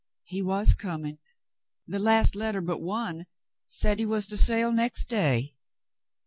"He was coming. The last letter but one said he was to sail next day.